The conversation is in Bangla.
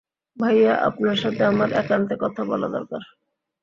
ভাইয়া, আপনার সাথে আমার একান্তে কথা বলা দরকার।